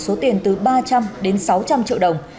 số tiền từ ba trăm linh đến sáu trăm linh triệu đồng